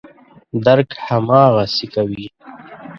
درک هماغسې کوي.